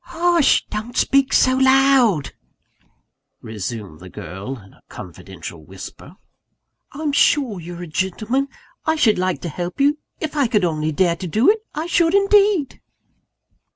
"Hush! don't speak so loud," resumed the girl in a confidential whisper. "I'm sure you're a gentleman. I should like to help you if I could only dare to do it, I should indeed!"